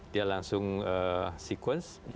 dia langsung sequence